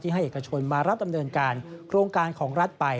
ให้เอกชนมารับดำเนินการโครงการของรัฐไป